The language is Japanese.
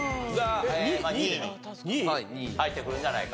２位に入ってくるんじゃないかと？